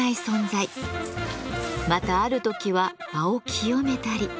またある時は場を清めたり。